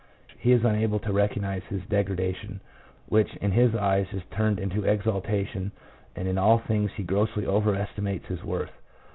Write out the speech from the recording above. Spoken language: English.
He is unable to recognize his degradation, which in his eyes is turned into exaltation, and in all things he grossly over estimates his worth.